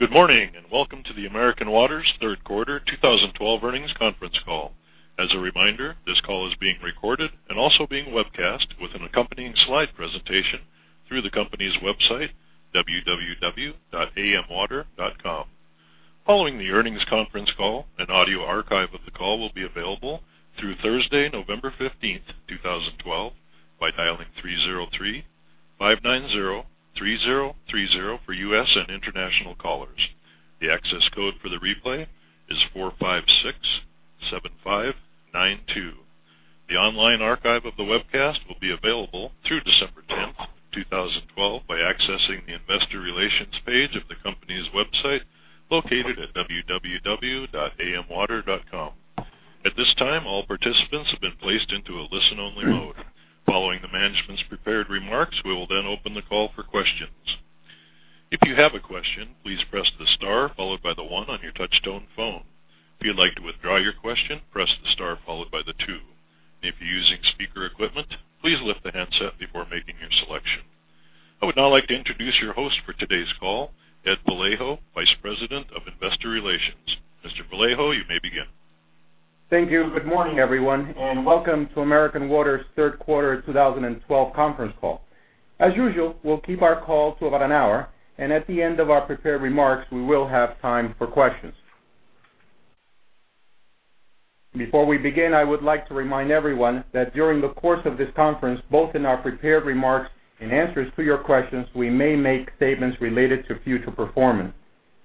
Good morning, and welcome to the American Water's third quarter 2012 earnings conference call. As a reminder, this call is being recorded and also being webcast with an accompanying slide presentation through the company's website, www.amwater.com. Following the earnings conference call, an audio archive of the call will be available through Thursday, November 15, 2012, by dialing 303-590-3030 for U.S. and international callers. The access code for the replay is 4,567,592. The online archive of the webcast will be available through December 10th, 2012, by accessing the investor relations page of the company's website located at www.amwater.com. At this time, all participants have been placed into a listen-only mode. Following the management's prepared remarks, we will then open the call for questions. If you have a question, please press the star followed by the one on your touch-tone phone. If you'd like to withdraw your question, press the star followed by the two. If you're using speaker equipment, please lift the handset before making your selection. I would now like to introduce your host for today's call, Edward Vallejo, Vice President of Investor Relations. Mr. Vallejo, you may begin. Thank you. Good morning, everyone, and welcome to American Water's third quarter 2012 conference call. As usual, we'll keep our call to about an hour, and at the end of our prepared remarks, we will have time for questions. Before we begin, I would like to remind everyone that during the course of this conference, both in our prepared remarks and answers to your questions, we may make statements related to future performance.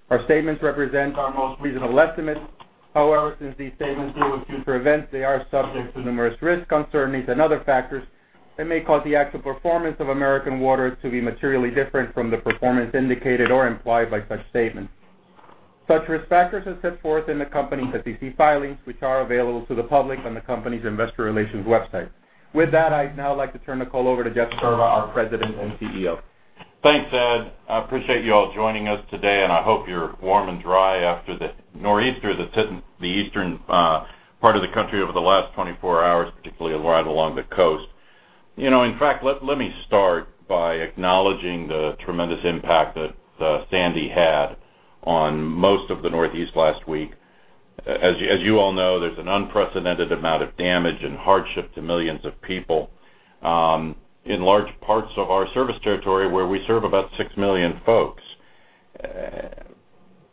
Our statements represent our most reasonable estimates. However, since these statements deal with future events, they are subject to numerous risks, uncertainties, and other factors that may cause the actual performance of American Water to be materially different from the performance indicated or implied by such statements. Such risk factors are set forth in the company's SEC filings, which are available to the public on the company's investor relations website. With that, I'd now like to turn the call over to Jeff Sterba, our President and CEO. Thanks, Ed. I appreciate you all joining us today, and I hope you're warm and dry after the nor'easter that's hit the eastern part of the country over the last 24 hours, particularly right along the coast. In fact, let me start by acknowledging the tremendous impact that Sandy had on most of the Northeast last week. As you all know, there's an unprecedented amount of damage and hardship to millions of people in large parts of our service territory, where we serve about six million folks.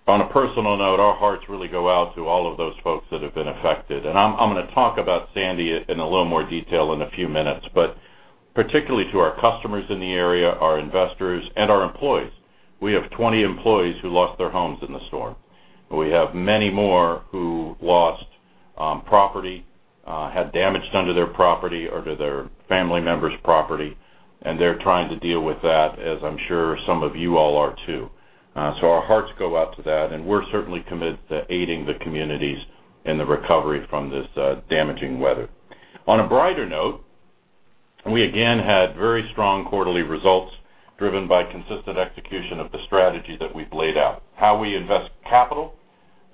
On a personal note, our hearts really go out to all of those folks that have been affected, and I'm going to talk about Sandy in a little more detail in a few minutes, particularly to our customers in the area, our investors, and our employees. We have 20 employees who lost their homes in the storm, and we have many more who lost property, had damage done to their property or to their family members' property, and they're trying to deal with that, as I'm sure some of you all are too. Our hearts go out to that, and we're certainly committed to aiding the communities in the recovery from this damaging weather. On a brighter note, we again had very strong quarterly results driven by consistent execution of the strategy that we've laid out. How we invest capital,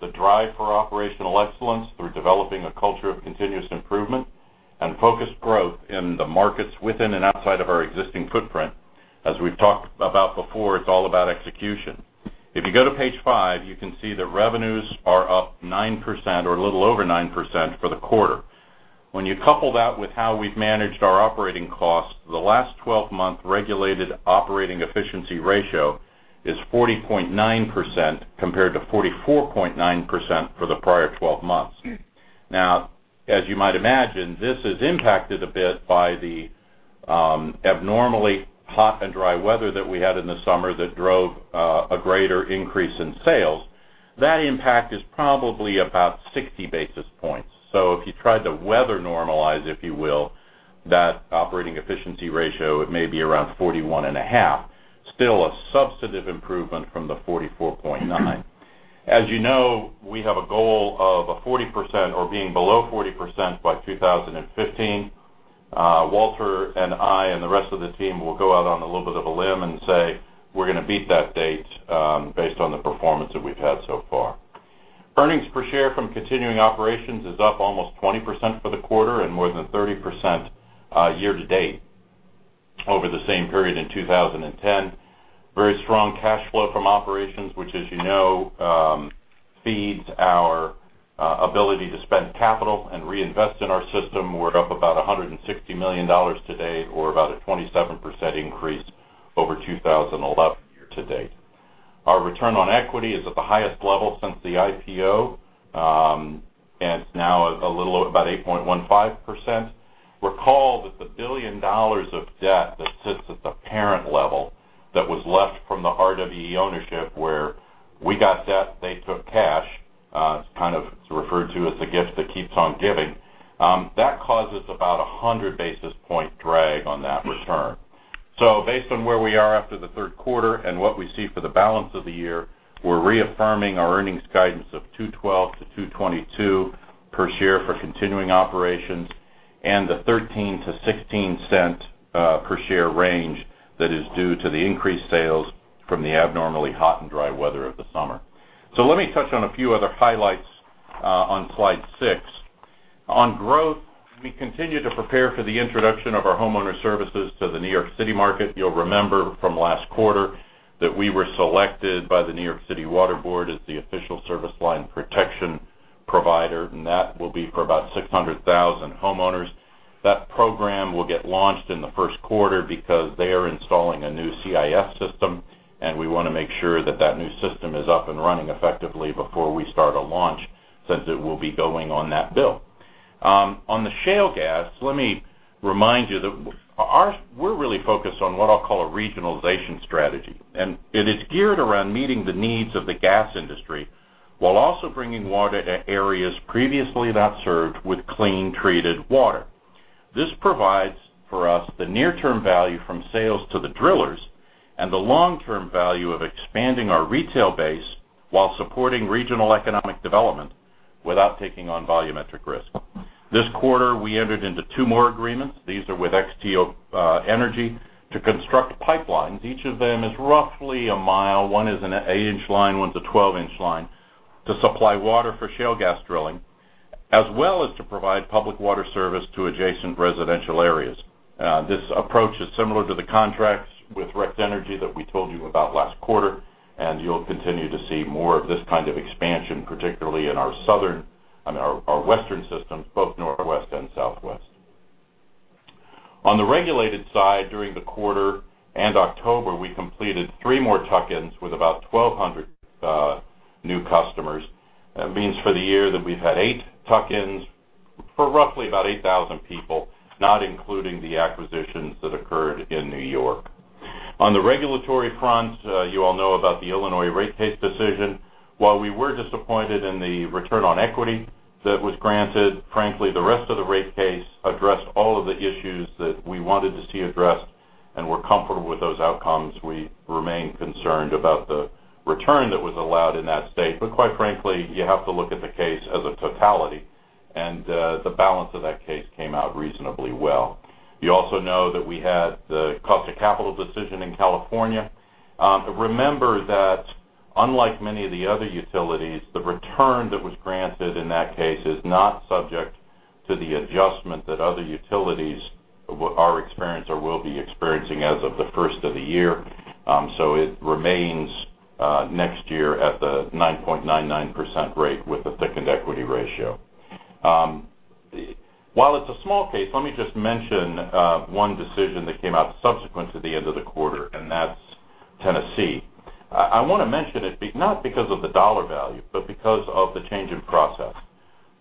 the drive for operational excellence through developing a culture of continuous improvement, and focused growth in the markets within and outside of our existing footprint. As we've talked about before, it's all about execution. If you go to page five, you can see that revenues are up 9% or a little over 9% for the quarter. When you couple that with how we've managed our operating costs, the last 12-month regulated operating efficiency ratio is 40.9% compared to 44.9% for the prior 12 months. As you might imagine, this is impacted a bit by the abnormally hot and dry weather that we had in the summer that drove a greater increase in sales. That impact is probably about 60 basis points. If you tried to weather normalize, if you will, that operating efficiency ratio, it may be around 41 and a half. Still a substantive improvement from the 44.9. As you know, we have a goal of a 40% or being below 40% by 2015. Walter and I and the rest of the team will go out on a little bit of a limb and say we're going to beat that date based on the performance that we've had so far. Earnings per share from continuing operations is up almost 20% for the quarter and more than 30% year to date over the same period in 2010. Very strong cash flow from operations, which as you know, feeds our ability to spend capital and reinvest in our system. We're up about $160 million today or about a 27% increase over 2011 year to date. Our return on equity is at the highest level since the IPO, and it's now a little about 8.15%. Recall that the $1 billion of debt that sits at the parent level that was left from the RWE ownership, where we got debt, they took cash. It's kind of referred to as the gift that keeps on giving. That causes about 100 basis point drag on that return. Based on where we are after the third quarter and what we see for the balance of the year, we're reaffirming our earnings guidance of $2.12-$2.22 per share for continuing operations, and the $0.13-$0.16 per share range that is due to the increased sales from the abnormally hot and dry weather of the summer. Let me touch on a few other highlights on slide six. On growth, we continue to prepare for the introduction of our homeowner services to the New York City market. You'll remember from last quarter that we were selected by the New York City Water Board as the official service line protection provider, and that will be for about 600,000 homeowners. That program will get launched in the first quarter because they are installing a new CIS system, and we want to make sure that that new system is up and running effectively before we start a launch, since it will be going on that bill. On the shale gas, let me remind you that we're really focused on what I'll call a regionalization strategy, and it is geared around meeting the needs of the gas industry while also bringing water to areas previously not served with clean, treated water. This provides for us the near-term value from sales to the drillers and the long-term value of expanding our retail base while supporting regional economic development without taking on volumetric risk. This quarter, we entered into two more agreements. These are with XTO Energy to construct pipelines. Each of them is roughly a mile. One is an eight-inch line, one's a 12-inch line, to supply water for shale gas drilling, as well as to provide public water service to adjacent residential areas. This approach is similar to the contracts with Rex Energy that we told you about last quarter, and you'll continue to see more of this kind of expansion, particularly in our western systems, both northwest and southwest. On the regulated side, during the quarter and October, we completed three more tuck-ins with about 1,200 new customers. That means for the year that we've had eight tuck-ins for roughly about 8,000 people, not including the acquisitions that occurred in New York. On the regulatory front, you all know about the Illinois rate case decision. While we were disappointed in the return on equity that was granted, frankly, the rest of the rate case addressed all of the issues that we wanted to see addressed and we're comfortable with those outcomes. We remain concerned about the return that was allowed in that state. Quite frankly, you have to look at the case as a totality, and the balance of that case came out reasonably well. You also know that we had the cost of capital decision in California. Remember that unlike many of the other utilities, the return that was granted in that case is not subject to the adjustment that other utilities are experiencing or will be experiencing as of the first of the year. It remains next year at the 9.99% rate with a thickened equity ratio. While it's a small case, let me just mention one decision that came out subsequent to the end of the quarter, and that's Tennessee. I want to mention it not because of the dollar value, but because of the change in process.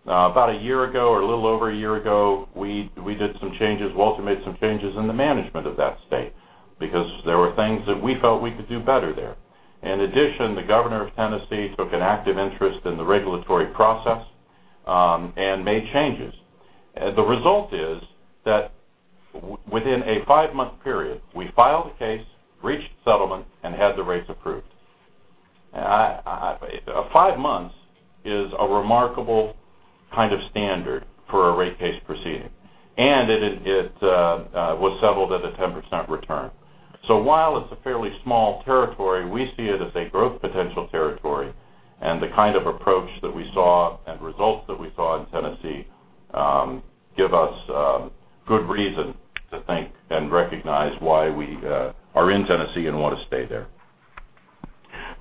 About a year ago, or a little over a year ago, we did some changes. Walter made some changes in the management of that state because there were things that we felt we could do better there. In addition, the governor of Tennessee took an active interest in the regulatory process and made changes. The result is that within a five-month period, we filed a case, reached settlement, and had the rates approved. Five months is a remarkable kind of standard for a rate case proceeding, and it was settled at a 10% return. While it's a fairly small territory, we see it as a growth potential territory. The kind of approach that we saw and results that we saw in Tennessee give us good reason to think and recognize why we are in Tennessee and want to stay there.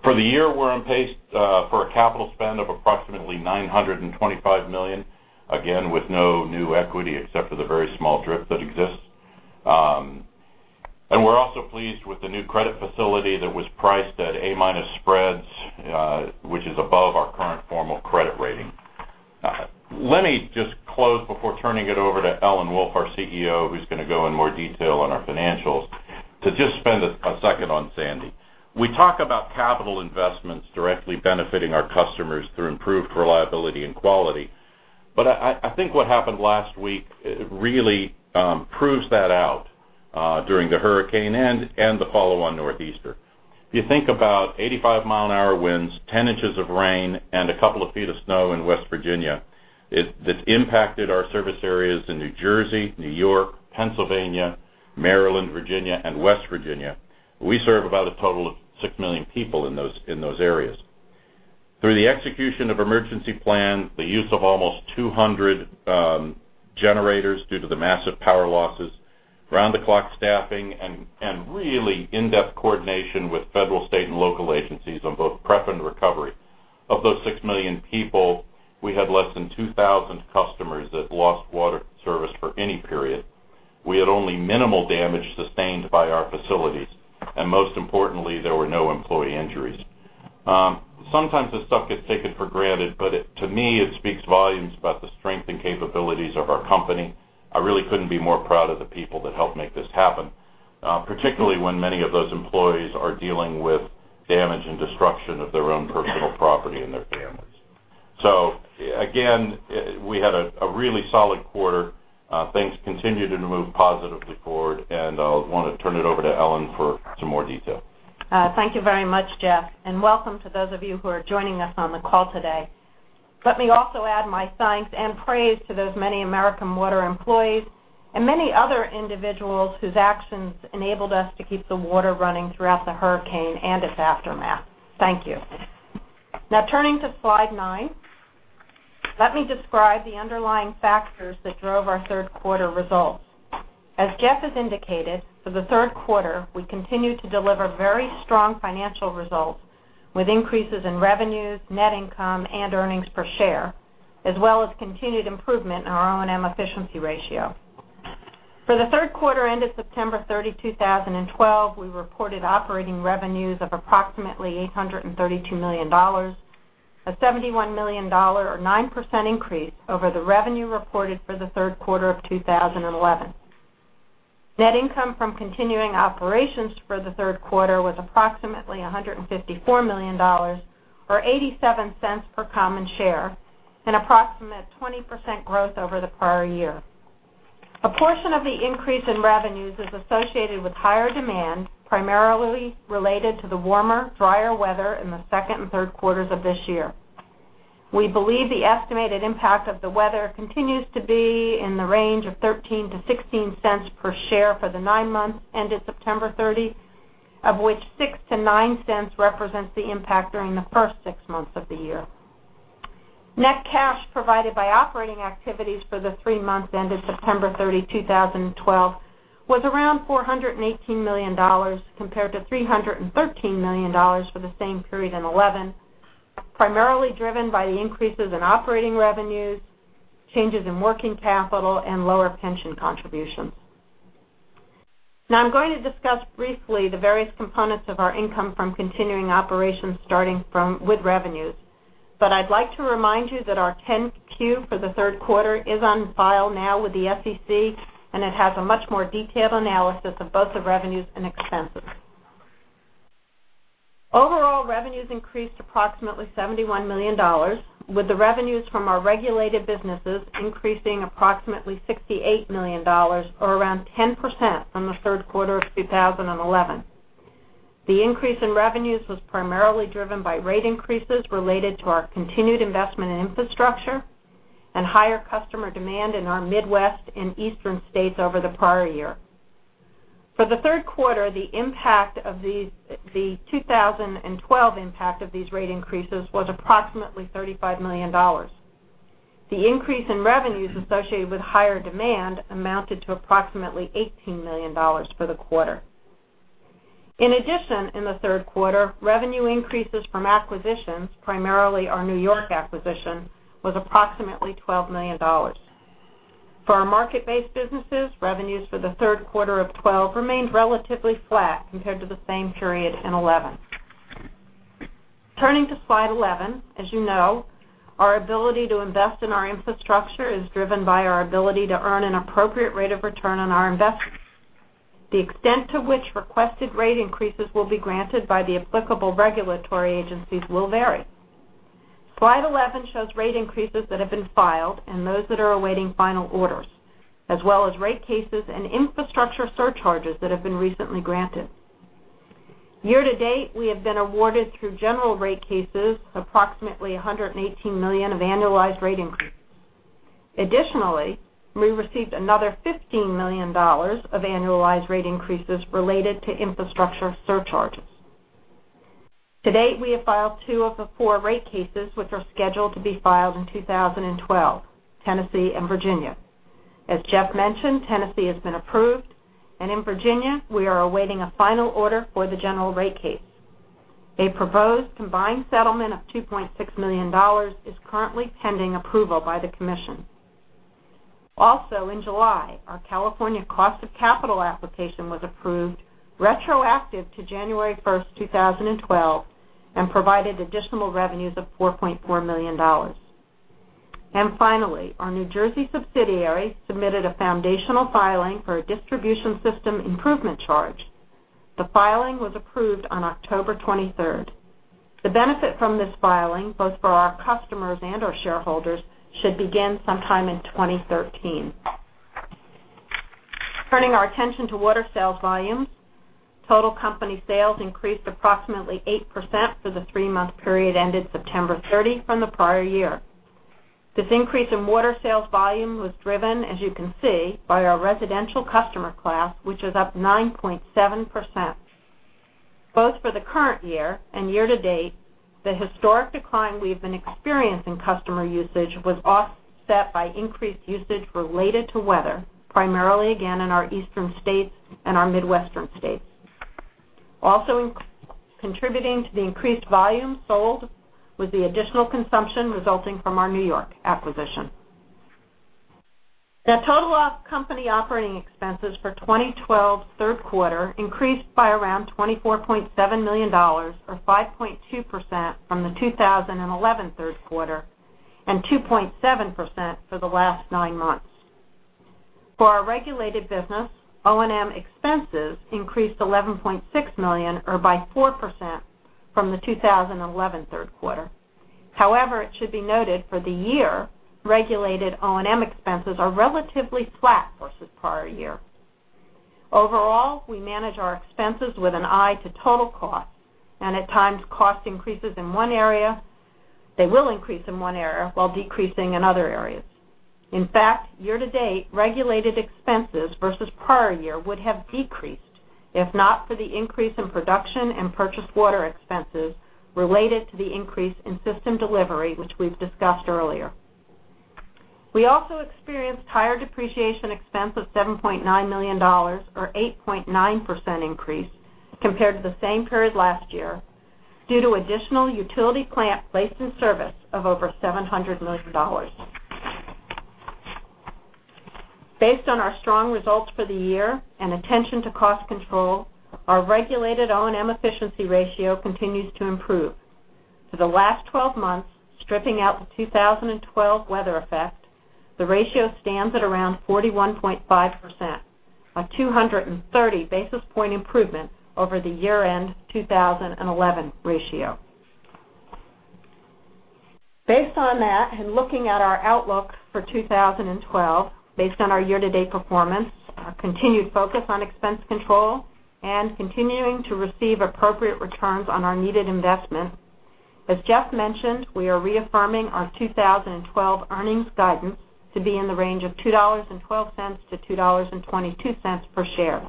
For the year, we're on pace for a capital spend of approximately $925 million, again, with no new equity except for the very small drip that exists. We're also pleased with the new credit facility that was priced at A- spreads which is above our current formal credit rating. Let me just close before turning it over to Ellen Wolf, our CEO, who's going to go in more detail on our financials, to just spend a second on Sandy. We talk about capital investments directly benefiting our customers through improved reliability and quality. I think what happened last week really proves that out during the hurricane and the follow-on nor'easter. If you think about 85-mile-an-hour winds, 10 inches of rain, and a couple of feet of snow in West Virginia, this impacted our service areas in New Jersey, New York, Pennsylvania, Maryland, Virginia, and West Virginia. We serve about a total of 6 million people in those areas. Through the execution of emergency plans, the use of almost 200 generators due to the massive power losses, round-the-clock staffing, and really in-depth coordination with federal, state, and local agencies on both prep and recovery. Of those 6 million people, we had less than 2,000 customers that lost water service for any period. We had only minimal damage sustained by our facilities. Most importantly, there were no employee injuries. Sometimes this stuff gets taken for granted, but to me, it speaks volumes about the strength and capabilities of our company. I really couldn't be more proud of the people that helped make this happen, particularly when many of those employees are dealing with damage and destruction of their own personal property and their families. Again, we had a really solid quarter. Things continue to move positively forward, and I want to turn it over to Ellen for some more detail. Thank you very much, Jeff, welcome to those of you who are joining us on the call today. Let me also add my thanks and praise to those many American Water employees and many other individuals whose actions enabled us to keep the water running throughout the hurricane and its aftermath. Thank you. Turning to Slide nine, let me describe the underlying factors that drove our third quarter results. As Jeff has indicated, for the third quarter, we continued to deliver very strong financial results with increases in revenues, net income, and earnings per share, as well as continued improvement in our O&M efficiency ratio. For the third quarter ended September 30, 2012, we reported operating revenues of approximately $832 million, a $71 million or 9% increase over the revenue reported for the third quarter of 2011. Net income from continuing operations for the third quarter was approximately $154 million or $0.87 per common share, an approximate 20% growth over the prior year. A portion of the increase in revenues is associated with higher demand, primarily related to the warmer, drier weather in the second and third quarters of this year. We believe the estimated impact of the weather continues to be in the range of $0.13-$0.16 per share for the nine months ended September 30, of which $0.06-$0.09 represents the impact during the first six months of the year. Net cash provided by operating activities for the three months ended September 30, 2012, was around $418 million, compared to $313 million for the same period in 2011, primarily driven by the increases in operating revenues, changes in working capital, and lower pension contributions. I'm going to discuss briefly the various components of our income from continuing operations, starting with revenues. I'd like to remind you that our 10-Q for the third quarter is on file now with the SEC, it has a much more detailed analysis of both the revenues and expenses. Overall, revenues increased approximately $71 million, with the revenues from our regulated businesses increasing approximately $68 million or around 10% from the third quarter of 2011. The increase in revenues was primarily driven by rate increases related to our continued investment in infrastructure and higher customer demand in our Midwest and Eastern states over the prior year. For the third quarter, the 2012 impact of these rate increases was approximately $35 million. The increase in revenues associated with higher demand amounted to approximately $18 million for the quarter. In addition, in the third quarter, revenue increases from acquisitions, primarily our New York acquisition, was approximately $12 million. For our market-based businesses, revenues for the third quarter of 2012 remained relatively flat compared to the same period in 2011. Turning to Slide 11, as you know, our ability to invest in our infrastructure is driven by our ability to earn an appropriate rate of return on our investments. The extent to which requested rate increases will be granted by the applicable regulatory agencies will vary. Slide 11 shows rate increases that have been filed and those that are awaiting final orders, as well as rate cases and infrastructure surcharges that have been recently granted. Year-to-date, we have been awarded through general rate cases approximately $118 million of annualized rate increases. Additionally, we received another $15 million of annualized rate increases related to infrastructure surcharges. To date, we have filed two of the four rate cases which are scheduled to be filed in 2012, Tennessee and Virginia. As Jeff mentioned, Tennessee has been approved, and in Virginia, we are awaiting a final order for the general rate case. A proposed combined settlement of $2.6 million is currently pending approval by the Commission. Also in July, our California cost of capital application was approved retroactive to January 1st, 2012, and provided additional revenues of $4.4 million. Finally, our New Jersey subsidiary submitted a foundational filing for a Distribution System Improvement Charge. The filing was approved on October 23rd. The benefit from this filing, both for our customers and our shareholders, should begin sometime in 2013. Turning our attention to water sales volumes, total company sales increased approximately 8% for the three-month period ended September 30 from the prior year. This increase in water sales volume was driven, as you can see, by our residential customer class, which is up 9.7%. Both for the current year and year-to-date, the historic decline we've been experiencing customer usage was offset by increased usage related to weather, primarily again in our Eastern states and our Midwestern states. Also contributing to the increased volume sold was the additional consumption resulting from our New York acquisition. Now total company operating expenses for 2012 third quarter increased by around $24.7 million, or 5.2% from the 2011 third quarter, and 2.7% for the last nine months. For our regulated business, O&M expenses increased $11.6 million or by 4% from the 2011 third quarter. However, it should be noted for the year, regulated O&M expenses are relatively flat versus prior year. Overall, we manage our expenses with an eye to total cost, and at times cost increases in one area while decreasing in other areas. In fact, year-to-date regulated expenses versus prior year would have decreased if not for the increase in production and purchased water expenses related to the increase in system delivery, which we've discussed earlier. We also experienced higher depreciation expense of $7.9 million, or 8.9% increase compared to the same period last year, due to additional utility plant placed in service of over $700 million. Based on our strong results for the year and attention to cost control, our regulated O&M efficiency ratio continues to improve. For the last 12 months, stripping out the 2012 weather effect, the ratio stands at around 41.5%, a 230-basis point improvement over the year-end 2011 ratio. Based on that, looking at our outlook for 2012 based on our year-to-date performance, our continued focus on expense control, and continuing to receive appropriate returns on our needed investments, as Jeff mentioned, we are reaffirming our 2012 earnings guidance to be in the range of $2.12-$2.22 per share.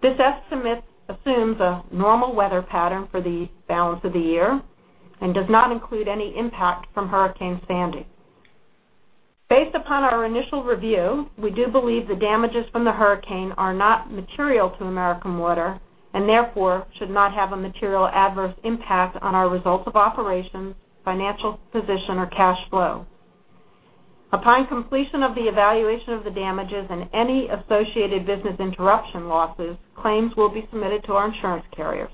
This estimate assumes a normal weather pattern for the balance of the year and does not include any impact from Hurricane Sandy. Based upon our initial review, we do believe the damages from the hurricane are not material to American Water, and therefore should not have a material adverse impact on our results of operations, financial position, or cash flow. Upon completion of the evaluation of the damages and any associated business interruption losses, claims will be submitted to our insurance carriers.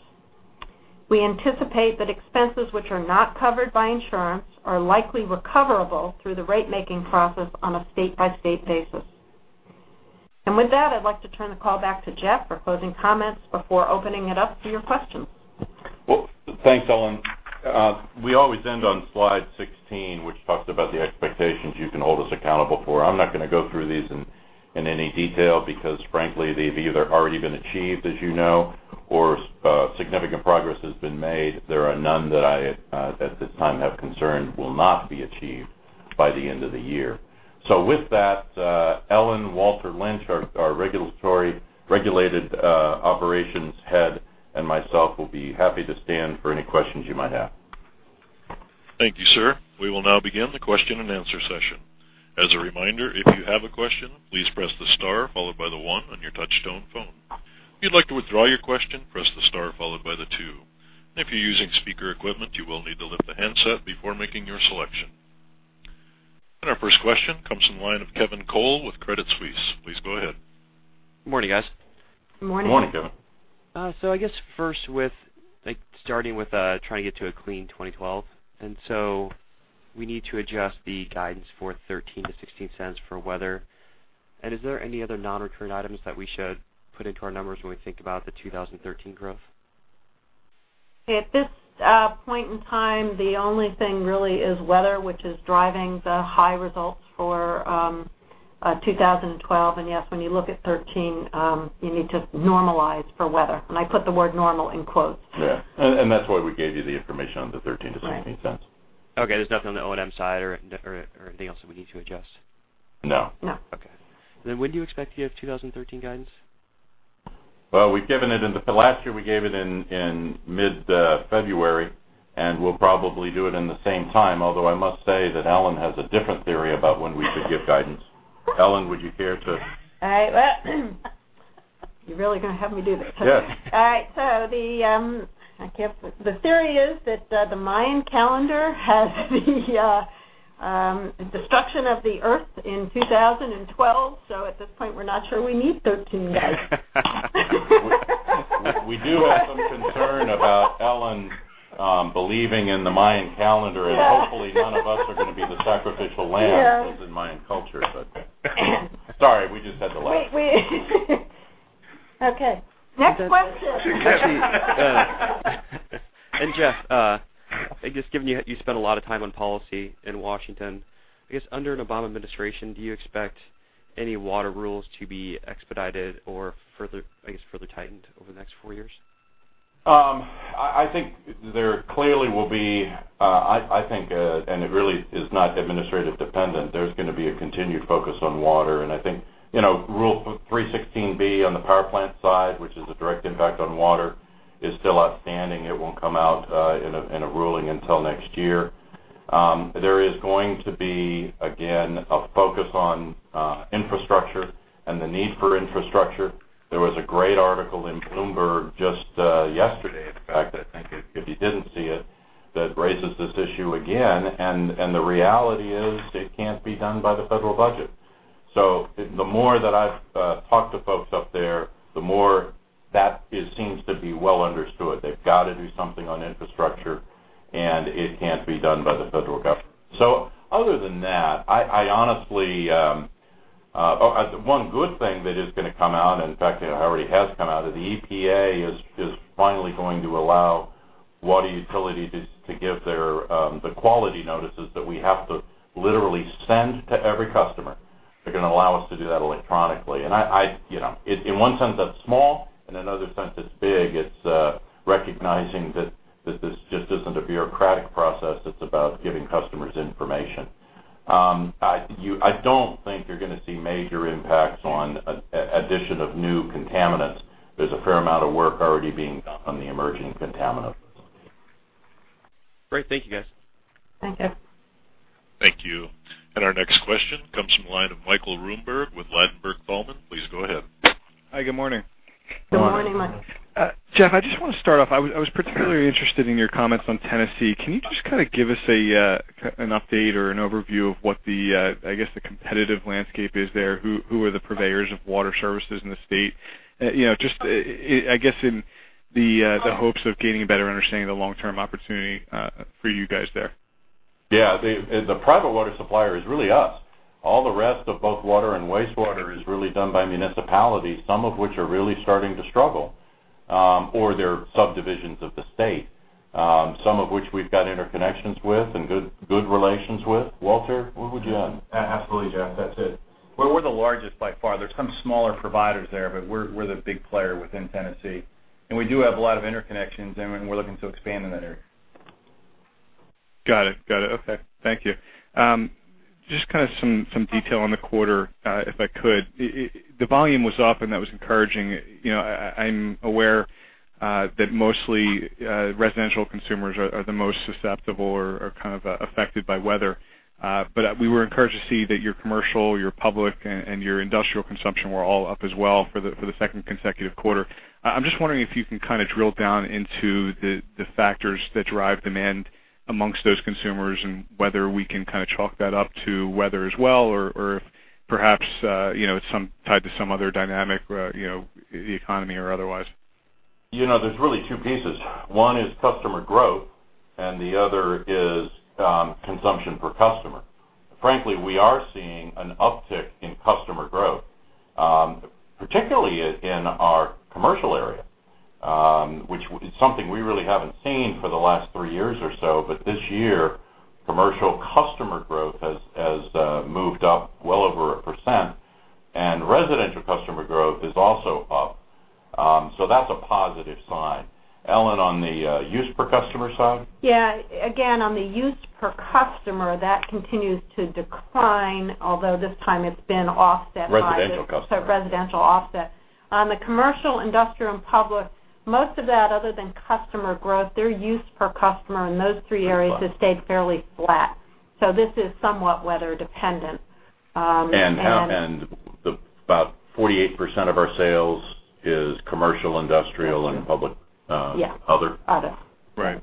We anticipate that expenses which are not covered by insurance are likely recoverable through the rate-making process on a state-by-state basis. With that, I'd like to turn the call back to Jeff for closing comments before opening it up to your questions. Well, thanks, Ellen. We always end on slide 16, which talks about the expectations you can hold us accountable for. I'm not going to go through these in any detail because frankly, they've either already been achieved, as you know, or significant progress has been made. There are none that I, at this time, have concern will not be achieved by the end of the year. With that, Ellen, Walter Lynch, our regulated operations head, and myself will be happy to stand for any questions you might have. Thank you, sir. We will now begin the question and answer session. As a reminder, if you have a question, please press the star followed by the one on your touchtone phone. If you'd like to withdraw your question, press the star followed by the two. If you're using speaker equipment, you will need to lift the handset before making your selection. Our first question comes from the line of Kevin Cole with Credit Suisse. Please go ahead. Good morning, guys. Good morning. Good morning, Kevin. I guess first with starting with trying to get to a clean 2012, we need to adjust the guidance for $0.13-$0.16 for weather. Is there any other non-recurring items that we should put into our numbers when we think about the 2013 growth? At this point in time, the only thing really is weather, which is driving the high results for 2012. Yes, when you look at 2013, you need to normalize for weather. I put the word normal in quotes. Yeah. That's why we gave you the information on the $0.13-$0.16. Right. Okay, there's nothing on the O&M side or anything else that we need to adjust? No. No. Okay. When do you expect to give 2013 guidance? Well, last year we gave it in mid-February, and we'll probably do it in the same time. Although I must say that Ellen has a different theory about when we should give guidance. Ellen, would you care to? All right, well, you're really going to have me do this? Yes. All right. The theory is that the Mayan calendar has the destruction of the Earth in 2012, so at this point, we're not sure we need 13. We do have some concern about Ellen believing in the Mayan calendar. Yes Hopefully none of us are going to be the sacrificial lambs. Yes as in Mayan culture, sorry, we just had to laugh. Wait. Okay, next question. Jeff, I guess given you spent a lot of time on policy in Washington, I guess under an Obama administration, do you expect any water rules to be expedited or I guess further tightened over the next four years? I think there clearly will be, it really is not administrative-dependent. There's going to be a continued focus on water, I think Rule 316(b) on the power plant side, which is a direct impact on water, is still outstanding. It won't come out in a ruling until next year. There is going to be, again, a focus on infrastructure and the need for infrastructure. There was a great article in Bloomberg just yesterday, in fact, I think if you didn't see it, that raises this issue again, the reality is it can't be done by the federal budget. The more that I've talked to folks up there, the more that seems to be well understood. They've got to do something on infrastructure, it can't be done by the federal government. Other than that, one good thing that is going to come out, in fact it already has come out, is the EPA is finally going to allow water utilities to give the quality notices that we have to literally send to every customer. They're going to allow us to do that electronically. In one sense, that's small, in another sense, it's big. It's recognizing that this just isn't a bureaucratic process. It's about giving customers information. I don't think you're going to see major impacts on addition of new contaminants. There's a fair amount of work already being done on the emerging contaminant facility. Great. Thank you, guys. Thank you. Thank you. Our next question comes from the line of Michael Roomberg with Ladenburg Thalmann. Please go ahead. Hi, good morning. Good morning, Michael. Jeff, I just want to start off, I was particularly interested in your comments on Tennessee. Can you just kind of give us an update or an overview of what the, I guess, the competitive landscape is there? Who are the purveyors of water services in the state? Just, I guess in the hopes of gaining a better understanding of the long-term opportunity for you guys there. Yeah. The private water supplier is really us. All the rest of both water and wastewater is really done by municipalities, some of which are really starting to struggle, or they're subdivisions of the state, some of which we've got interconnections with and good relations with. Walter, where would you add? Absolutely, Jeff, that's it. We're the largest by far. There's some smaller providers there, but we're the big player within Tennessee, and we do have a lot of interconnections, and we're looking to expand in that area. Got it. Okay. Thank you. Just kind of some detail on the quarter, if I could. The volume was up, and that was encouraging. I'm aware that mostly residential consumers are the most susceptible or are kind of affected by weather. We were encouraged to see that your commercial, your public, and your industrial consumption were all up as well for the second consecutive quarter. I'm just wondering if you can kind of drill down into the factors that drive demand amongst those consumers, and whether we can kind of chalk that up to weather as well, or if perhaps, it's tied to some other dynamic, the economy or otherwise. There's really two pieces. One is customer growth, and the other is consumption per customer. Frankly, we are seeing an uptick in customer growth, particularly in our commercial area, which is something we really haven't seen for the last three years or so. This year, commercial customer growth has moved up well over 1%, and residential customer growth is also up. That's a positive sign. Ellen, on the use per customer side? Yeah. Again, on the use per customer, that continues to decline, although this time it's been offset by- Residential customers Residential offset. On the commercial, industrial, and public, most of that, other than customer growth, their use per customer in those three areas has stayed fairly flat. This is somewhat weather-dependent. About 48% of our sales is commercial, industrial, and public. Yes. Other. Other. Right.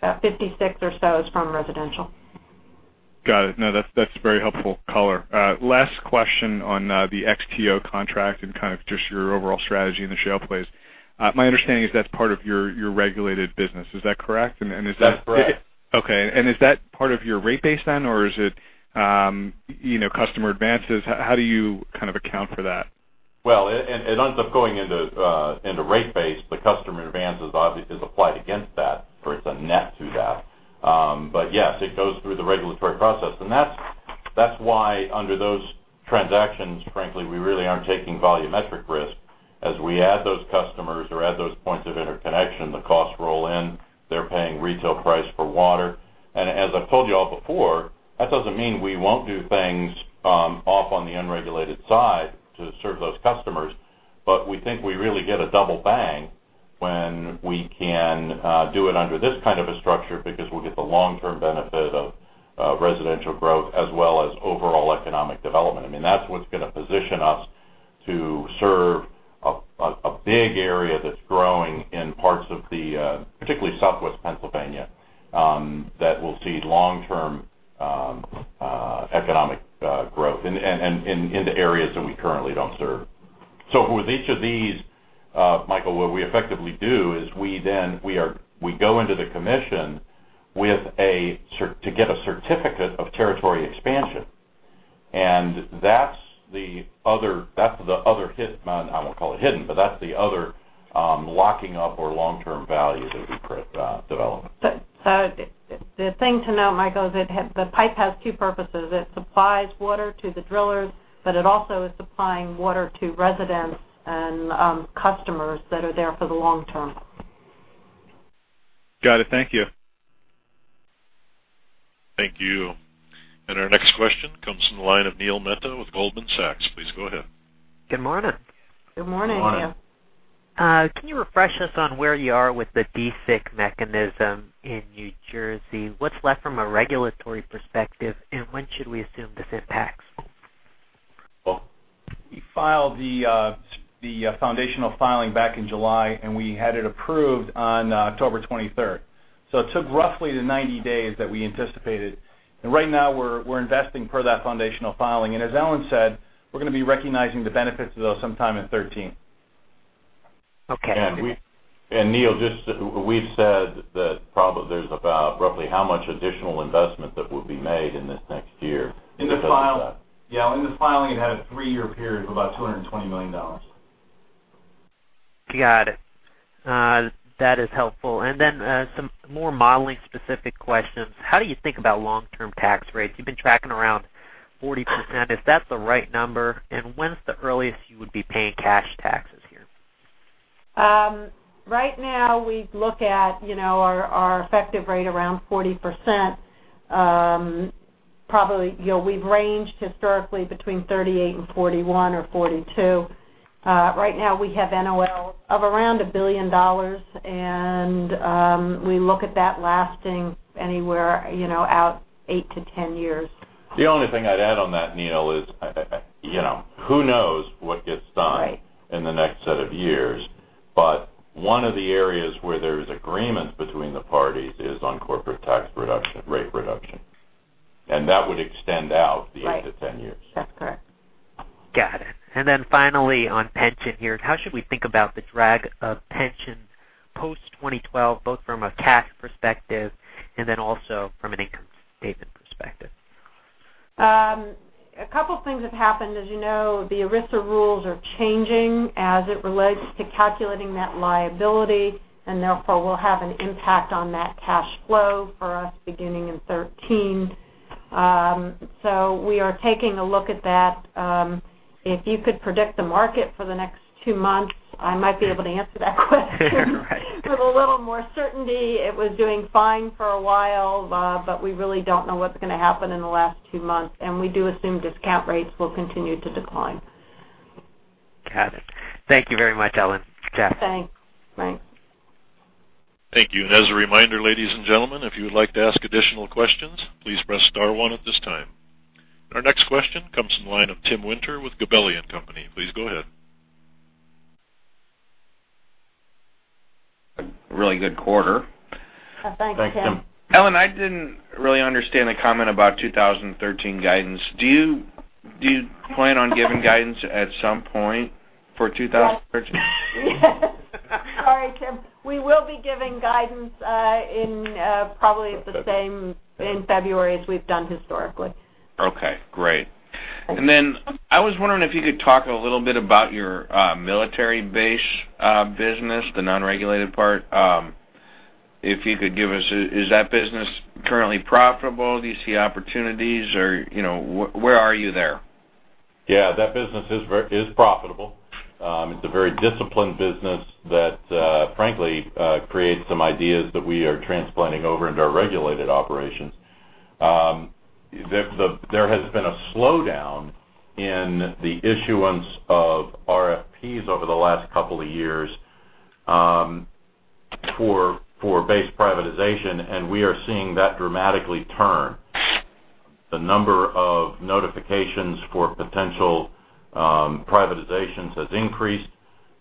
About 56 or so is from residential. Got it. No, that's a very helpful color. Last question on the XTO contract and kind of just your overall strategy in the shale plays. My understanding is that's part of your regulated business. Is that correct? That's correct. Okay. Is that part of your rate base then, or is it customer advances? How do you kind of account for that? Well, it ends up going into rate base, but customer advances obviously is applied against that, or it's a net to that. Yes, it goes through the regulatory process, and that's why under those transactions, frankly, we really aren't taking volumetric risk. As we add those customers or add those points of interconnection, the costs roll in. They're paying retail price for water. As I've told you all before, that doesn't mean we won't do things off on the unregulated side to serve those customers. We think we really get a double bang when we can do it under this kind of a structure because we'll get the long-term benefit of residential growth as well as overall economic development. I mean, that's what's going to position us to serve a big area that's growing in parts of, particularly southwest Pennsylvania, that we'll see long-term economic growth and into areas that we currently don't serve. With each of these, Michael, what we effectively do is we go into the commission to get a certificate of territory expansion. That's the other hidden, I won't call it hidden, but that's the other locking up or long-term value that we develop. The thing to note, Michael, is the pipe has two purposes. It supplies water to the drillers, but it also is supplying water to residents and customers that are there for the long term. Got it. Thank you. Thank you. Our next question comes from the line of Neil Mehta with Goldman Sachs. Please go ahead. Good morning. Good morning, Neil. Can you refresh us on where you are with the DSIC mechanism in New Jersey? What's left from a regulatory perspective, and when should we assume this impacts? We filed the foundational filing back in July, and we had it approved on October 23rd. It took roughly the 90 days that we anticipated, and right now we're investing per that foundational filing. As Ellen said, we're going to be recognizing the benefits of those sometime in 2013. Okay. Neil, we've said that there's about roughly how much additional investment that will be made in this next year. In the filing. Yeah, in the filing, it had a three-year period of about $220 million. Got it. That is helpful. Some more modeling-specific questions. How do you think about long-term tax rates? You've been tracking around 40%. If that's the right number, when's the earliest you would be paying cash taxes here? Right now, we look at our effective rate around 40%. Probably, we've ranged historically between 38% and 41% or 42%. Right now, we have NOL of around $1 billion. We look at that lasting anywhere out eight to 10 years. The only thing I'd add on that, Neil, is who knows what gets done- Right in the next set of years. One of the areas where there's agreement between the parties is on corporate tax rate reduction. That would extend out the eight to 10 years. That's correct. Got it. Finally, on pension years, how should we think about the drag of pension post 2012, both from a cash perspective and then also from an income statement perspective? A couple things have happened. As you know, the ERISA rules are changing as it relates to calculating that liability, and therefore, will have an impact on that cash flow for us beginning in 2013. We are taking a look at that. If you could predict the market for the next two months, I might be able to answer that question Right. with a little more certainty. It was doing fine for a while, we really don't know what's going to happen in the last two months, we do assume discount rates will continue to decline. Got it. Thank you very much, Ellen. Jeff. Thanks. Thank you. As a reminder, ladies and gentlemen, if you would like to ask additional questions, please press star one at this time. Our next question comes from the line of Timothy Winter with Gabelli & Company. Please go ahead. A really good quarter. Thanks, Tim. Thanks, Tim. Ellen, I didn't really understand the comment about 2013 guidance. Do you plan on giving guidance at some point for 2013? Sorry, Tim. We will be giving guidance in probably the same in February as we've done historically. Okay, great. I was wondering if you could talk a little bit about your military base business, the non-regulated part. Is that business currently profitable? Do you see opportunities or where are you there? Yeah, that business is profitable. It's a very disciplined business that frankly, creates some ideas that we are transplanting over into our regulated operations. There has been a slowdown in the issuance of RFPs over the last couple of years for base privatization. We are seeing that dramatically turn. The number of notifications for potential privatizations has increased.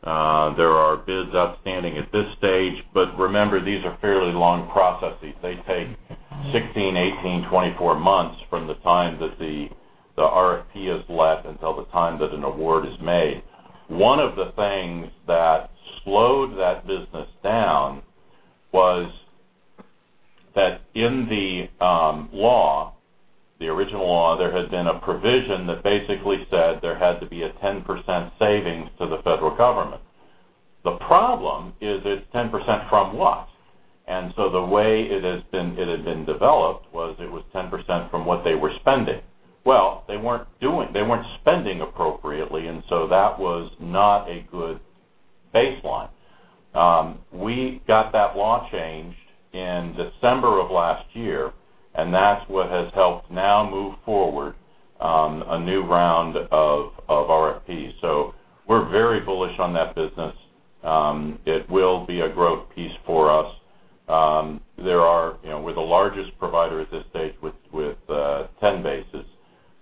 There are bids outstanding at this stage, remember, these are fairly long processes. They take 16, 18, 24 months from the time that the RFP is let until the time that an award is made. One of the things that slowed that business down was that in the original law, there had been a provision that basically said there had to be a 10% savings to the federal government. The problem is it's 10% from what? The way it had been developed was it was 10% from what they were spending. Well, they weren't spending appropriately, that was not a good baseline. We got that law changed in December of last year, that's what has helped now move forward a new round of RFP. We're very bullish on that business. It will be a growth piece for us. We're the largest provider at this stage with 10 bases.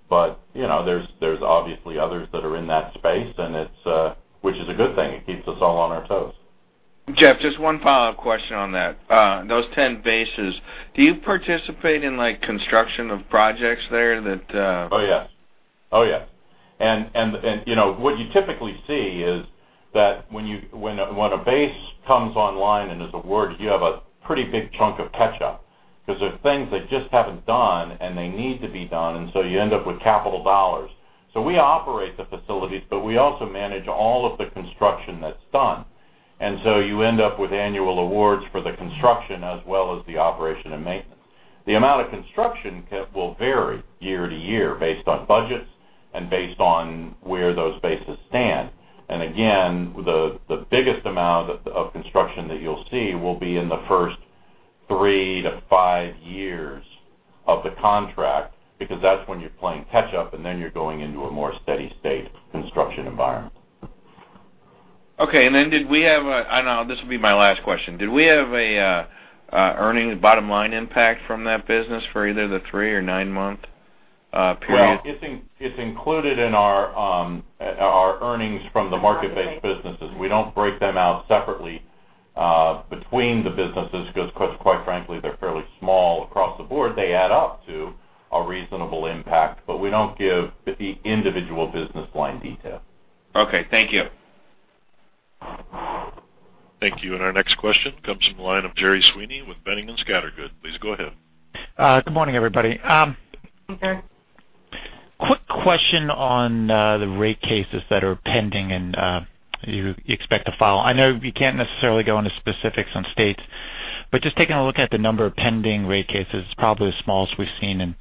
There's obviously others that are in that space, which is a good thing. It keeps us all on our toes. Jeff, just one follow-up question on that. Those 10 bases, do you participate in construction of projects there? Oh, yes. What you typically see is that when a base comes online and is awarded, you have a pretty big chunk of catch-up because there's things that just haven't done, and they need to be done, you end up with capital dollars. We operate the facilities, but we also manage all of the construction that's done. You end up with annual awards for the construction as well as the operation and maintenance. The amount of construction will vary year to year based on budgets and based on where those bases stand. Again, the biggest amount of construction that you'll see will be in the first three to five years of the contract, because that's when you're playing catch-up, and then you're going into a more steady state construction environment. Okay. This will be my last question. Did we have a earnings bottom line impact from that business for either the three or nine-month period? Well, it's included in our earnings from the market-based businesses. We don't break them out separately between the businesses because quite frankly, they're fairly small across the board. They add up to a reasonable impact, but we don't give the individual business line detail. Okay. Thank you. Thank you. Our next question comes from the line of Jerry Sweeney with Boenning & Scattergood. Please go ahead. Good morning, everybody. Hi, Jerry. Quick question on the rate cases that are pending and you expect to file. I know you can't necessarily go into specifics on states, but just taking a look at the number of pending rate cases, it's probably the smallest we've seen in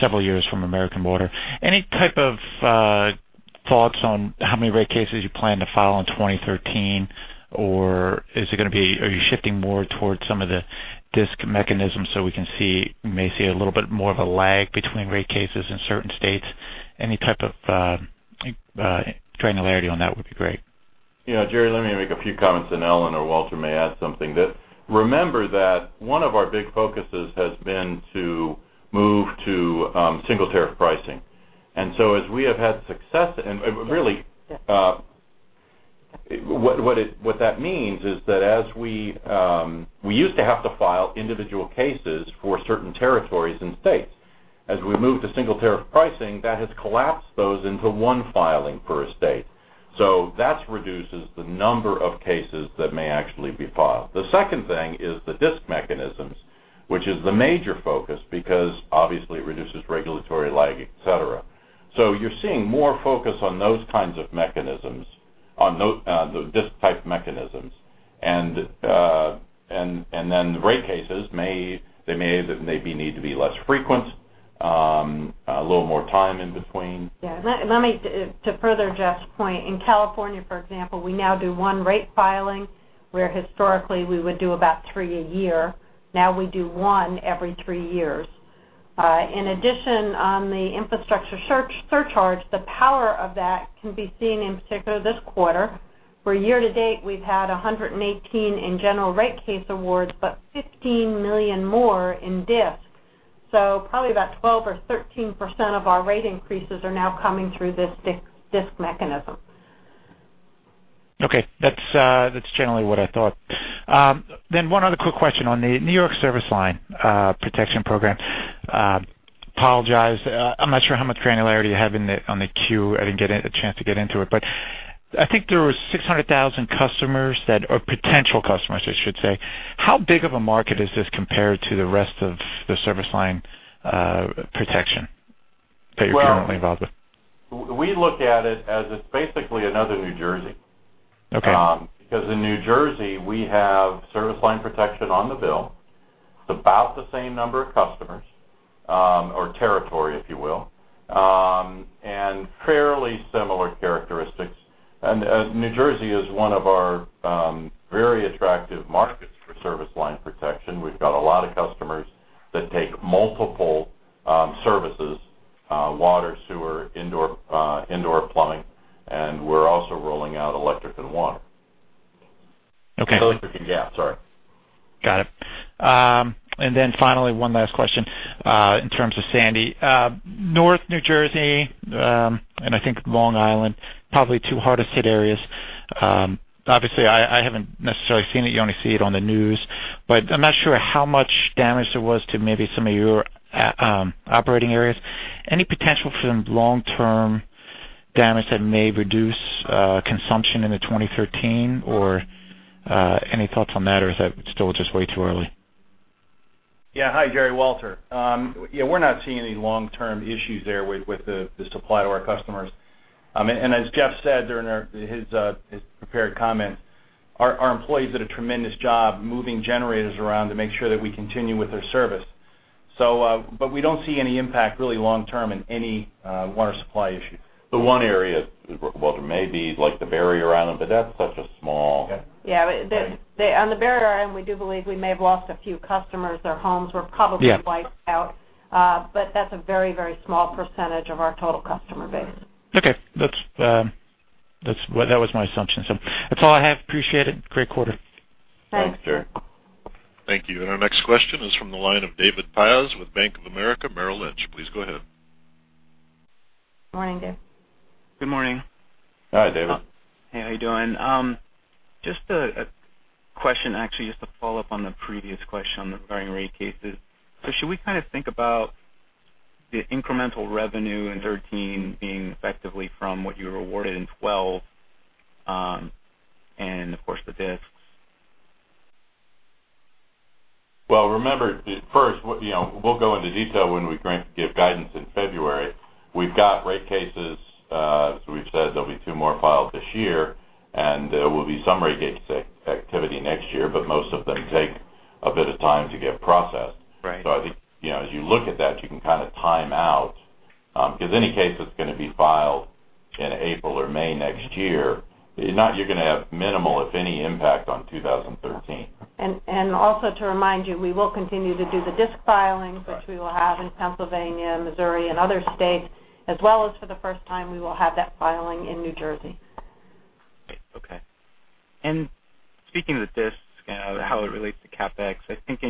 several years from American Water. Any type of thoughts on how many rate cases you plan to file in 2013? Are you shifting more towards some of the DSIC mechanisms so we may see a little bit more of a lag between rate cases in certain states? Any type of granularity on that would be great. Yeah, Jerry, let me make a few comments, and Ellen or Walter may add something to that. Remember that one of our big focuses has been to move to single-rate tariff. As we have had success and really Yes what that means is that as we used to have to file individual cases for certain territories and states. As we move to single-rate tariff, that has collapsed those into one filing per state. That reduces the number of cases that may actually be filed. The second thing is the DSIC mechanisms, which is the major focus, because obviously it reduces regulatory lag, et cetera. You're seeing more focus on those kinds of mechanisms, on the DSIC-type mechanisms. The rate cases may need to be less frequent, a little more time in between. Yeah. Let me, to further Jeff's point, in California, for example, we now do one rate filing, where historically we would do about three a year. Now we do one every three years. In addition, on the infrastructure surcharge, the power of that can be seen in particular this quarter, where year-to-date, we've had 118 in general rate case awards, but $15 million more in DSIC. Probably about 12% or 13% of our rate increases are now coming through this DSIC mechanism. Okay. That's generally what I thought. One other quick question on the New York service line protection program. Apologize, I'm not sure how much granularity you have on the 10-Q. I didn't get a chance to get into it, but I think there were 600,000 customers that are potential customers, I should say. How big of a market is this compared to the rest of the service line protection that you're currently involved with? Well, we look at it as it's basically another New Jersey. Okay. In New Jersey, we have service line protection on the bill. It's about the same number of customers, or territory, if you will, and fairly similar characteristics. New Jersey is one of our very attractive markets for service line protection. We've got a lot of customers that take multiple services: water, sewer, indoor plumbing, and we're also rolling out electric and water. Okay. Electric and gas, sorry. Got it. Finally, one last question, in terms of Sandy. North New Jersey, and I think Long Island, probably two hardest hit areas. Obviously, I haven't necessarily seen it. You only see it on the news, but I'm not sure how much damage there was to maybe some of your operating areas. Any potential for some long-term damage that may reduce consumption into 2013? Any thoughts on matters that still just way too early? Hi, Jerry, Walter. Yeah, we're not seeing any long-term issues there with the supply to our customers. As Jeff said during his prepared comment, our employees did a tremendous job moving generators around to make sure that we continue with their service. We don't see any impact really long term in any water supply issue. The one area, Walter, may be like the Barrier Island, that's such a small- Yeah. On the Barrier Island, we do believe we may have lost a few customers. Their homes were probably wiped out. Yeah. That's a very small percentage of our total customer base. Okay. That was my assumption. That's all I have. Appreciate it. Great quarter. Thanks. Thanks, Gerry. Thank you. Our next question is from the line of David Pas with Bank of America Merrill Lynch. Please go ahead. Morning, David. Good morning. Hi, David. Hey, how you doing? Just a question, actually, just to follow up on the previous question regarding rate cases. Should we think about the incremental revenue in 2013 being effectively from what you were awarded in 2012, and of course, the DSIC? Well, remember, first, we'll go into detail when we give guidance in February. We've got rate cases, as we've said, there'll be two more filed this year, and there will be some rate activity next year, but most of them take a bit of time to get processed. Right. I think, as you look at that, you can time out, because any case that's going to be filed in April or May next year, you're going to have minimal, if any, impact on 2013. Also to remind you, we will continue to do the DSIC filings. Right Which we will have in Pennsylvania, Missouri, and other states, as well as for the first time, we will have that filing in New Jersey. Great. Okay. Speaking of the DSIC, how it relates to CapEx, I think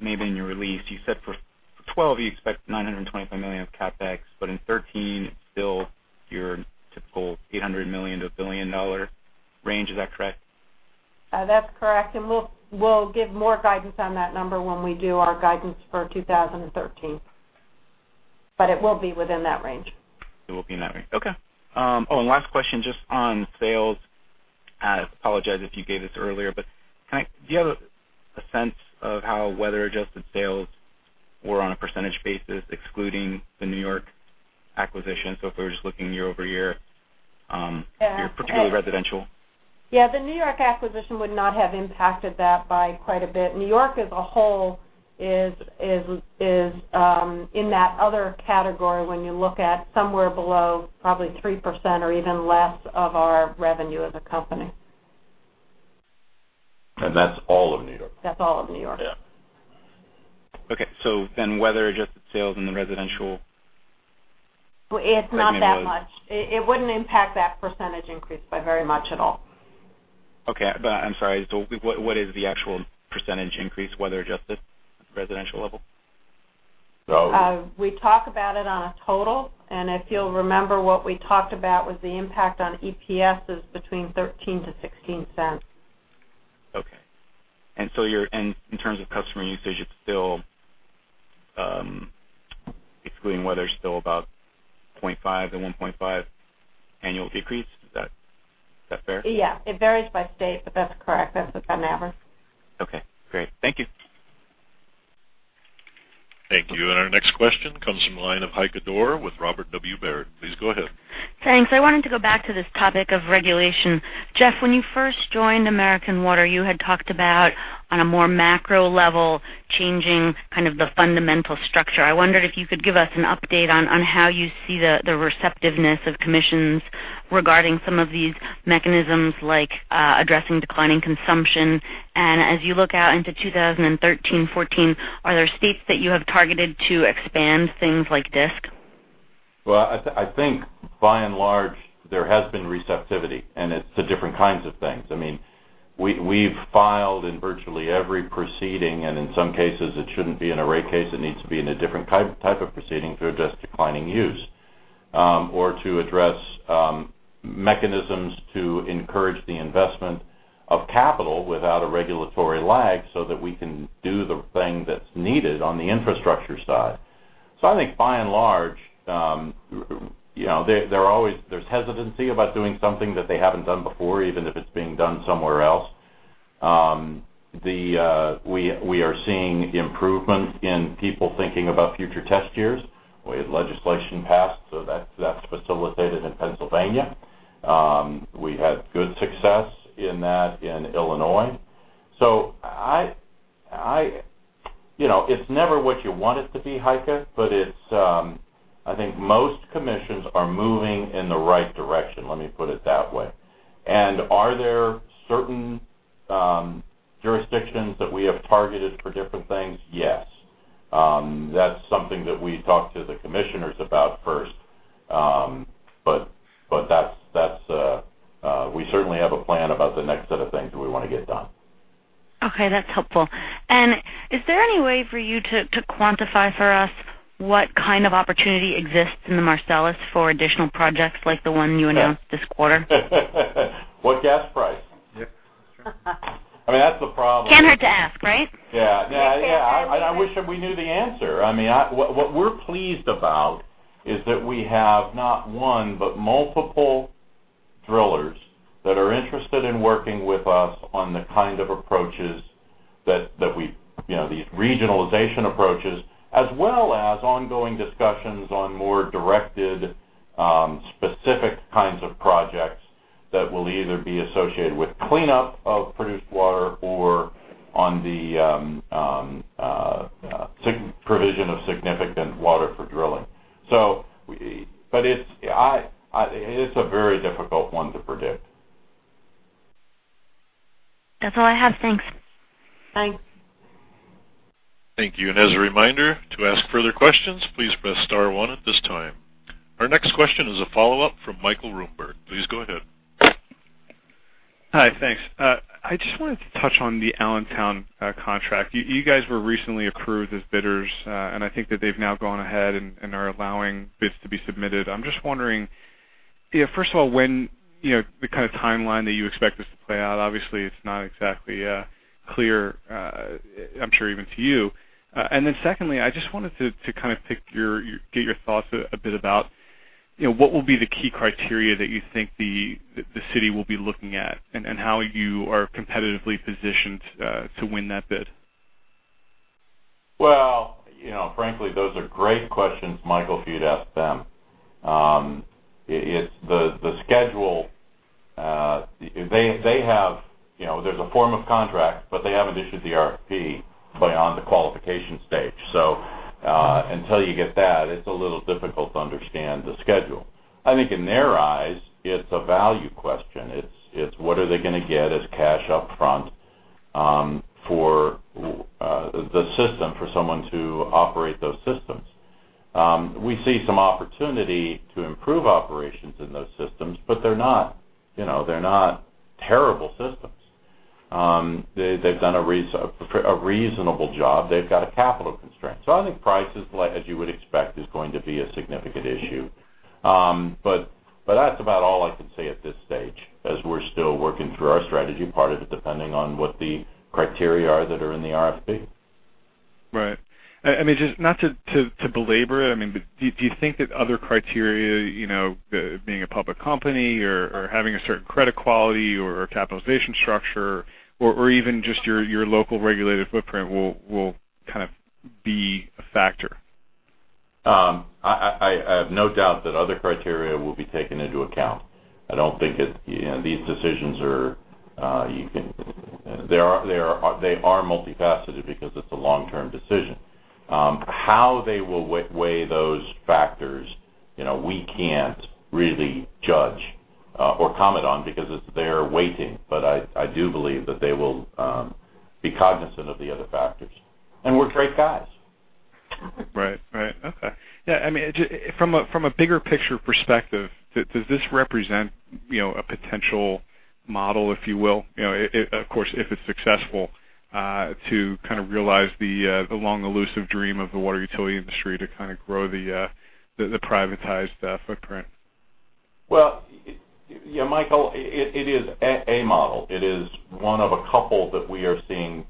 maybe in your release, you said for 2012, you expect $925 million of CapEx, but in 2013, it's still your typical $800 million-$1 billion range. Is that correct? That's correct. We'll give more guidance on that number when we do our guidance for 2013. It will be within that range. It will be in that range. Okay. Last question, just on sales I apologize if you gave this earlier, but do you have a sense of how weather-adjusted sales were on a percentage basis, excluding the New York acquisition? If we were just looking year-over-year, particularly residential. Yeah. The New York acquisition would not have impacted that by quite a bit. New York as a whole is in that other category when you look at somewhere below probably 3% or even less of our revenue as a company. That's all of New York. That's all of New York. Yeah. Okay. It's not that much. It wouldn't impact that percentage increase by very much at all. Okay. I'm sorry. What is the actual % increase, weather-adjusted, residential level? We talk about it on a total, if you'll remember, what we talked about was the impact on EPS is between $0.13-$0.16. Okay. In terms of customer usage, excluding weather, still about 0.5%-1.5% annual decrease? Is that fair? Yeah. It varies by state, that's correct. That's on average. Okay, great. Thank you. Our next question comes from the line of Heike Dorer with Robert W. Baird. Please go ahead. Thanks. I wanted to go back to this topic of regulation. Jeff, when you first joined American Water, you had talked about, on a more macro level, changing kind of the fundamental structure. I wondered if you could give us an update on how you see the receptiveness of commissions regarding some of these mechanisms, like addressing declining consumption. As you look out into 2013, 2014, are there states that you have targeted to expand things like DSIC? I think by and large, there has been receptivity, and it's to different kinds of things. We've filed in virtually every proceeding, and in some cases, it shouldn't be in a rate case, it needs to be in a different type of proceeding to address declining use, or to address mechanisms to encourage the investment of capital without a regulatory lag so that we can do the thing that's needed on the infrastructure side. I think by and large, there's hesitancy about doing something that they haven't done before, even if it's being done somewhere else. We are seeing improvement in people thinking about future test years. We had legislation passed, so that's facilitated in Pennsylvania. We had good success in that in Illinois. It's never what you want it to be, Heike, but I think most commissions are moving in the right direction. Let me put it that way. Are there certain jurisdictions that we have targeted for different things? Yes. That's something that we talk to the commissioners about first. We certainly have a plan about the next set of things that we want to get done. Okay, that's helpful. Is there any way for you to quantify for us what kind of opportunity exists in the Marcellus for additional projects like the one you announced this quarter? What gas price? Yep, that's true. That's the problem. Can't hurt to ask, right? Yeah. I wish that we knew the answer. What we're pleased about is that we have not one, but multiple drillers that are interested in working with us on the kind of approaches, these regionalization approaches, as well as ongoing discussions on more directed, specific kinds of projects that will either be associated with cleanup of produced water or on the provision of significant water for drilling. It's a very difficult one to predict. That's all I have. Thanks. Thanks. Thank you. As a reminder, to ask further questions, please press star 1 at this time. Our next question is a follow-up from Michael Roomberg. Please go ahead. Hi, thanks. I just wanted to touch on the Allentown contract. You guys were recently approved as bidders, I think that they've now gone ahead and are allowing bids to be submitted. I'm just wondering, first of all, the kind of timeline that you expect this to play out. Obviously, it's not exactly clear, I'm sure even to you. Then secondly, I just wanted to kind of get your thoughts a bit about what will be the key criteria that you think the city will be looking at, and how you are competitively positioned to win that bid. Well, frankly, those are great questions, Michael, for you to ask them. There's a form of contract, they haven't issued the RFP on the qualification stage. Until you get that, it's a little difficult to understand the schedule. I think in their eyes, it's a value question. It's what are they going to get as cash up front for the system, for someone to operate those systems. We see some opportunity to improve operations in those systems, they're not terrible systems. They've done a reasonable job. They've got a capital constraint. I think price is, as you would expect, is going to be a significant issue. That's about all I can say at this stage, as we're still working through our strategy, part of it depending on what the criteria are that are in the RFP. Right. Not to belabor it, do you think that other criteria, being a public company or having a certain credit quality or capitalization structure or even just your local regulated footprint will be a factor? I have no doubt that other criteria will be taken into account. These decisions are multifaceted because it's a long-term decision. How they will weigh those factors, we can't really judge or comment on because it's their weighting. I do believe that they will be cognizant of the other factors, and we're great guys. Right. Okay. From a bigger picture perspective, does this represent a potential model, if you will, of course, if it's successful, to realize the long elusive dream of the water utility industry to grow the privatized footprint? Well, Michael, it is a model. It is one of a couple that we are seeing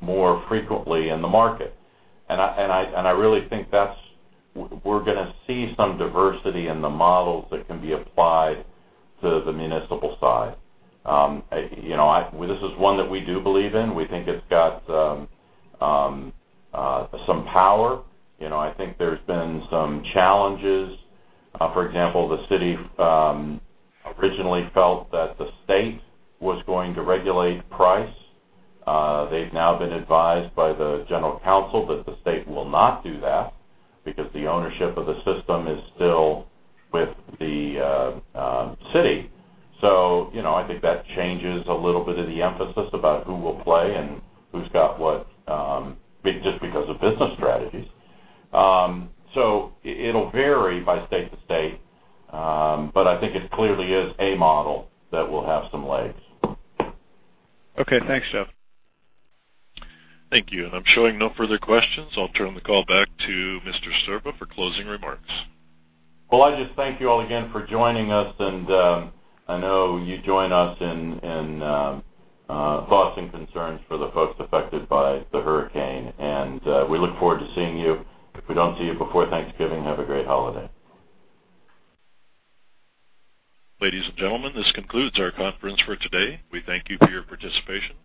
more frequently in the market, I really think we're going to see some diversity in the models that can be applied to the municipal side. This is one that we do believe in. We think it's got some power. I think there's been some challenges. For example, the city originally felt that the state was going to regulate price. They've now been advised by the general counsel that the state will not do that because the ownership of the system is still with the city. I think that changes a little bit of the emphasis about who will play and who's got what, just because of business strategies. It'll vary by state to state, I think it clearly is a model that will have some legs. Okay. Thanks, Jeff. Thank you. I'm showing no further questions. I'll turn the call back to Sterba for closing remarks. Well, I just thank you all again for joining us, and I know you join us in thoughts and concerns for the folks affected by the hurricane. We look forward to seeing you. If we don't see you before Thanksgiving, have a great holiday. Ladies and gentlemen, this concludes our conference for today. We thank you for your participation.